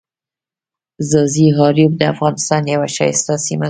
ځاځي اریوب دافغانستان یوه ښایسته سیمه ده.